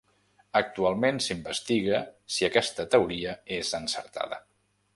Actualment s'investiga si aquesta teoria és encertada.